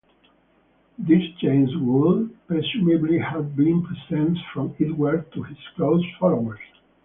These chains would presumably have been presents from Edward to his close followers.